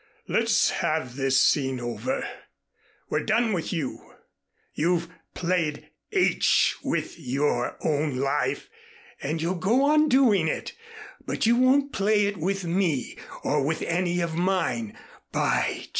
"Let's have this scene over. We're done with you. You've played h with your own life and you'll go on doing it, but you won't play it with me or with any of mine, by G